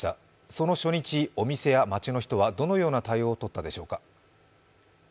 その初日、お店や街の人はどのような対応をとったでしょうか。